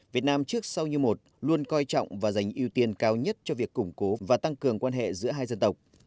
việt nam trước sau như một luôn coi trọng và dành ưu tiên cao nhất cho việc củng cố và tăng cường quan hệ giữa hai dân tộc